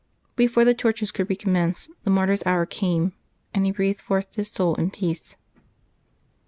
Before the tor tures could recommence, the mart3T's hour came, and he breathed forth his soul in peace.